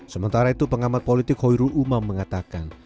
sementara itu pengamat politik hoirul umam mengatakan